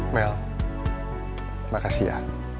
mel makasih ya